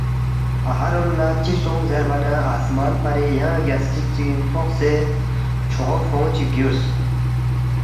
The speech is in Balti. تا اَہا رول لہ چِہ سونگس زیربا نہ آسمان پری ینگ رگیاسترِد چگِنگ فوقسے چھوغو فونگ چی گیُورس،